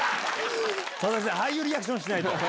佐々木さんああいうリアクションしないと！